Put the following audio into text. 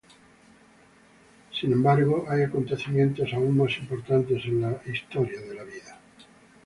Sin embargo, hay acontecimientos aún más importantes en la historia de la vida.